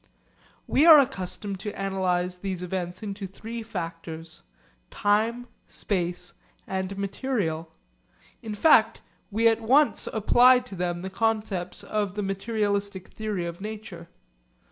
We are accustomed to analyse these events into three factors, time, space, and material. In fact, we at once apply to them the concepts of the materialistic theory of nature.